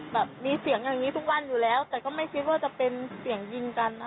แบบมีเสียงอย่างนี้ทุกวันอยู่แล้วแต่ก็ไม่คิดว่าจะเป็นเสียงยิงกันนะ